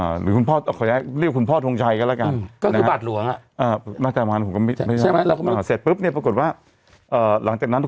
เอ่อหรือคุณพ่อททกเรียกคุณพ่อทรงชัยก็แล้วกันก็คือบัตรหลวงอะ